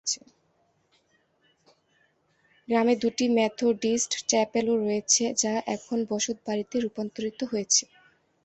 গ্রামে দুটি মেথোডিস্ট চ্যাপেলও রয়েছে, যা এখন বসতবাড়িতে রূপান্তরিত হয়েছে।